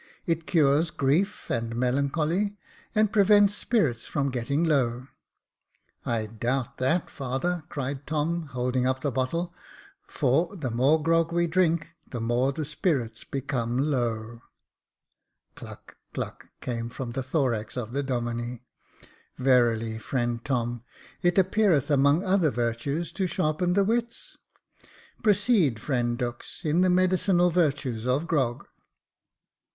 It cures grief and melancholy, and prevents spirits from getting low." " I doubt that, father," cried Tom, holding up the bottle ;for the more grog we drink, the more the spirits become low:* Cluck, cluck, came from the thorax of the Domine. "Verily, friend Tom, it appeareth, among other virtues, to sharpen the wits. Proceed, friend Dux, in the medicinal virtues of grog."